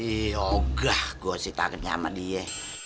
ih ogah gue sih tanya sama dia